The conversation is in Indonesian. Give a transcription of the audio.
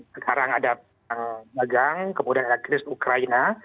sekarang ada pegang kemudian ada krisis ukraina